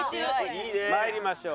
参りましょう。